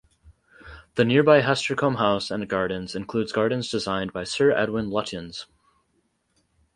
The nearby Hestercombe House and Gardens includes gardens designed by Sir Edwin Lutyens.